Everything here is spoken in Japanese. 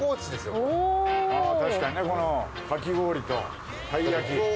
確かにねこのかき氷とたい焼き。